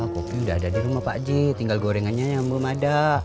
kopi udah ada di rumah pak j tinggal gorengannya yang belum ada